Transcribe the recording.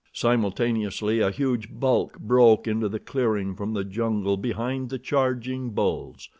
Simultaneously a huge bulk broke into the clearing from the jungle behind the charging bulls.